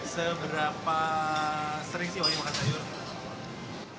seberapa sering sih wajib makan sayur